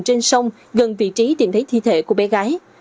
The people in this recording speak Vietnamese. trên sông gần vị trí tìm thấy thi thể của bé gái